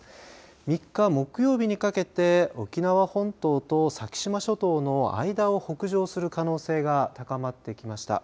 ３日、木曜日にかけて沖縄本島と先島諸島の間を北上する可能性が高まってきました。